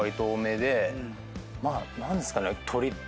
まあ何ですかね？